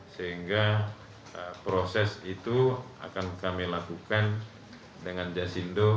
sehingga proses itu akan kami lakukan dengan jasindo